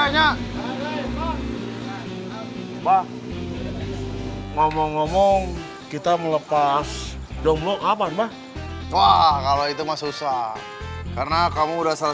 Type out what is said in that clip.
ngomong ngomong kita melepas domlo apa mah wah kalau itu mah susah karena kamu udah salah